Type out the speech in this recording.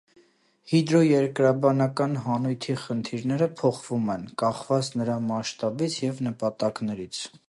Հիդրոերկրաբանական հանույթի խնդիրները փոխվում են՝ կախված նրա մասշտաբից և նպատակներից։